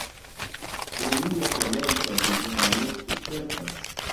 Pri lia komenca vivo malmulte certas.